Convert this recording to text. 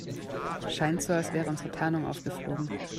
Scheint so, als wäre unsere Tarnung aufgeflogen.